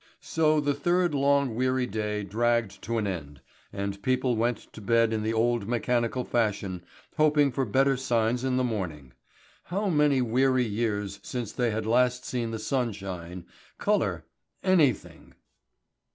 So the third long weary day dragged to an end, and people went to bed in the old mechanical fashion hoping for better signs in the morning. How many weary years since they had last seen the sunshine, colour, anything?